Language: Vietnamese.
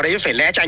đấy phải lé tránh